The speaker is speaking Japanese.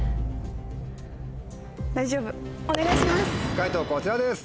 大丈夫お願いします。